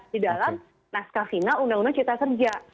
di dalam naskah final undang undang cerita kerja